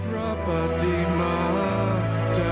ไม่พอตีร้อน